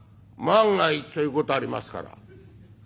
「万が一ということありますから」。